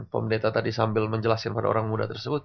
pemerintah tadi sambil menjelaskan pada orang muda tersebut